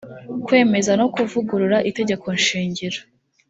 kwemeza no kuvugurura itegeko shingiro